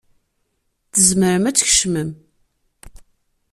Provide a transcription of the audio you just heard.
Tzemrem ad tkecmem.